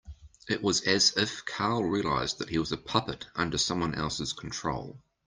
It was as if Carl realised that he was a puppet under someone else's control.